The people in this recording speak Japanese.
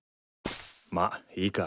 まあいいか。